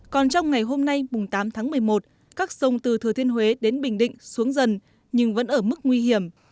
còn trong ngày hôm nay mùng tám tháng một mươi một các sông từ thừa thiên huế đến bình định xuống dần nhưng vẫn ở mức nguy hiểm